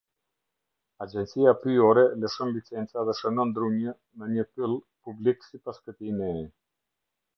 Agjencia Pyjore lëshon licenca dhe shënon drunjë në një pyll publik sipas këtij neni.